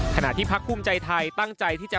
ขณะที่พักภูมิใจไทยตั้งใจที่จะ